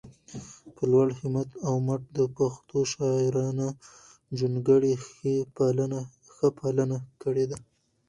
په لوړ همت او مټ د پښتو شاعرانه جونګړې ښه پالنه کړي ده